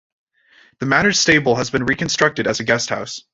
The manor's stable has been reconstructed as a guesthouse.